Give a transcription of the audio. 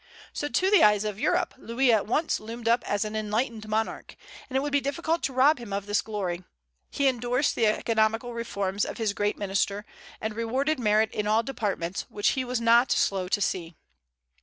So to the eyes of Europe Louis at once loomed up as an enlightened monarch; and it would be difficult to rob him of this glory. He indorsed the economical reforms of his great minister, and rewarded merit in all departments, which he was not slow to see.